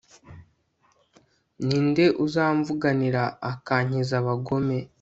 ni nde uzamvuganira akankiza abagome